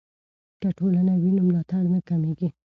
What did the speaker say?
که ټولنه وي نو ملاتړ نه کمېږي.